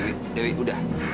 dewi dewi udah